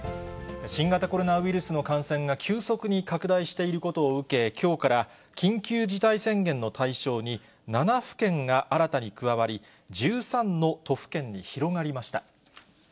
新型コロナウイルスの感染が急速に拡大していることを受け、きょうから緊急事態宣言の対象に、７府県が新たに加わり、１３の都府県に広がりました。